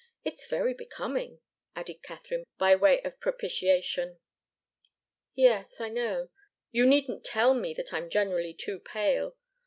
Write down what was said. It's very becoming," added Katharine, by way of propitiation. "Yes I know. You needn't tell me that I'm generally too pale.